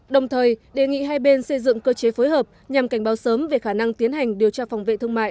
đồng thời đề nghị hai bên xây dựng cơ chế phối hợp nhằm cảnh báo sớm về khả năng tiến hành điều tra phòng vệ thương mại